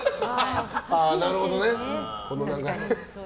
なるほどね。